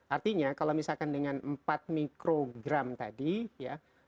artinya kalau misalkan dengan empat mikrogram tadi ya